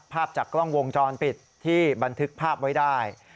ภาพจากกล้องวงจรปิดที่บันทึกภาพไว้ได้